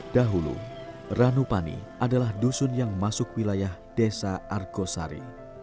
dahulu ranupani adalah dusun yang masuk wilayah desa argosari